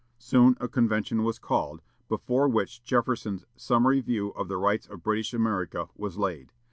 Soon a convention was called, before which Jefferson's "Summary View of the Rights of British America" was laid.